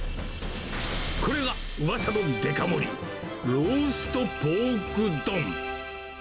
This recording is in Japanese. これがうわさのデカ盛り、ローストポーク丼。